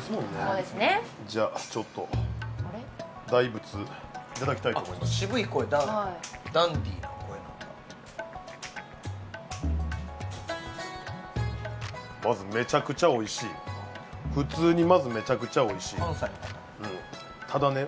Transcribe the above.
そうですねじゃあちょっと大仏いただきたいと思います渋い声ダンディーな声なんだまずめちゃくちゃおいしい普通にまずめちゃくちゃおいしいただね